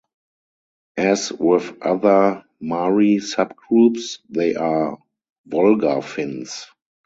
As with other Mari subgroups they are Volga Finns.